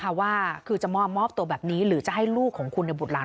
เพราะว่าคือจะมอบตัวแบบนี้หรือจะให้ลูกของคุณในบุตรหลาน